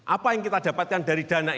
apa yang kita dapatkan dari dana ini